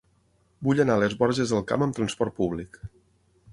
Vull anar a les Borges del Camp amb trasport públic.